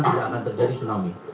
tidak akan terjadi tsunami